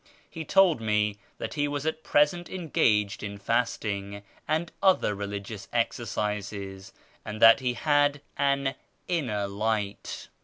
He told me that he was at present engaged in fasting and other religious exercises, and that he had an " Inner Light."